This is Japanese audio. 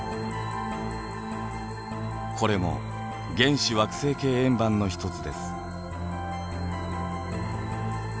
これも原始惑星系円盤の一つです。